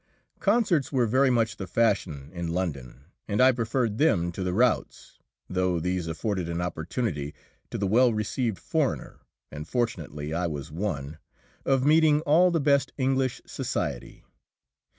Concerts were very much the fashion in London, and I preferred them to the routs, though these afforded an opportunity to the well received foreigner and fortunately I was one of meeting all the best English society.